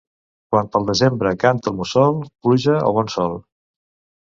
Quan pel desembre canta el mussol, pluja o bon sol.